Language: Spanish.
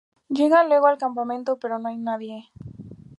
Llegan luego al campamento, pero no hay nadie.